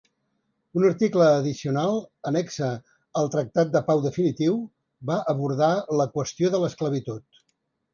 Un article addicional annexa al Tractat de Pau definitiu, va abordar la qüestió de l'esclavitud.